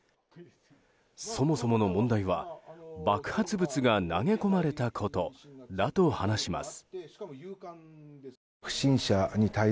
そもそもの問題は、爆発物が投げ込まれたことだと話します。